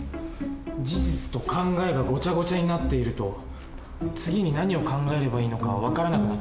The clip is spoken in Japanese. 事実と考えがごちゃごちゃになっていると次に何を考えればいいのか分からなくなってしまうんだね。